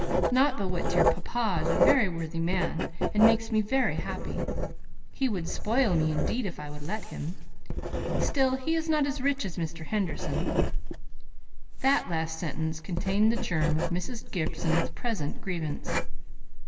not but what dear papa is a very worthy man, and makes me very happy. He would spoil me, indeed, if I would let him. Still he is not as rich as Mr. Henderson." That last sentence contained the germ of Mrs. Gibson's present grievance.